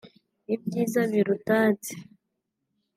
ibyiza birutatse